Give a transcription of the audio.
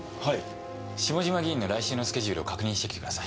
下島議員の来週のスケジュールを確認してきてください。